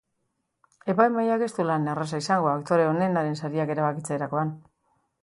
Epaimahaiak ez du lan erraza izango aktore onenaren sariak erabakitzerakoan.